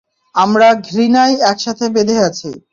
আমরা ঘৃণায় একসাথে বেঁধে আছি।